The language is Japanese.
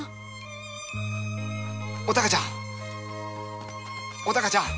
お孝ちゃんお孝ちゃん！